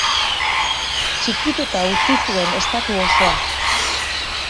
Txikituta utzi zuen estatu osoa.